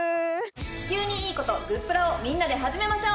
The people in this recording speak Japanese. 地球にいいことグップラをみんなで始めましょう。